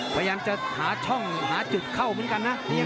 พยายามจะหาช่องหาจุดเข้าเหมือนกันนะ